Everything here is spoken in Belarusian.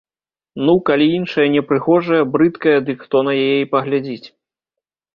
Ну, калі іншая непрыгожая, брыдкая, дык хто на яе і паглядзіць.